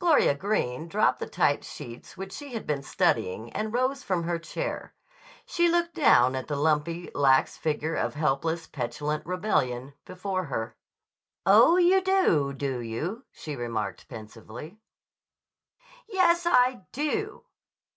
Gloria Greene dropped the typed sheets which she had been studying and rose from her chair. She looked down at the lumpy, lax figure of helpless, petulant rebellion before her. "Oh, you do, do you?" she remarked pensively. "Yes; I do!"